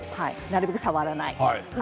なるべく触らない。